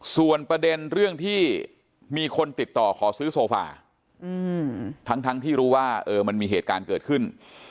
ส่วนประเด็นเรื่องที่มีคนติดต่อขอซื้อโซฟาทั้งที่รู้ว่ามันมีเหตุการณ์เกิดขึ้น